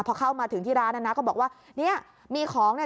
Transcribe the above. พอเข้ามาถึงที่ร้านน่ะนะก็บอกว่าเนี่ยมีของเนี่ย